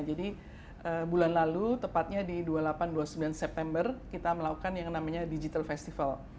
jadi bulan lalu tepatnya di dua puluh delapan dua puluh sembilan september kita melakukan yang namanya digital festival